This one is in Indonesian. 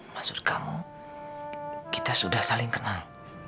maksud kamu kita sudah saling kenal